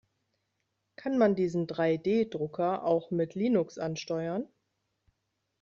Kann man diesen Drei-D-Drucker auch mit Linux ansteuern?